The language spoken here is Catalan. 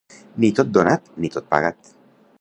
Ni tot donat ni tot pagat.